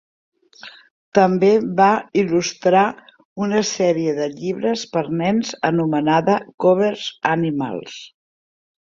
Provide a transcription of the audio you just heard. També va il·lustrar una sèrie de llibres per nens anomenada "Cober's Animals".